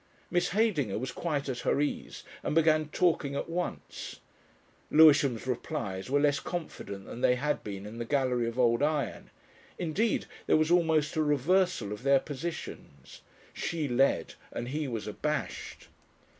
Miss Heydinger was quite at her ease and began talking at once. Lewisham's replies were less confident than they had been in the Gallery of Old Iron; indeed there was almost a reversal of their positions. She led and he was abashed.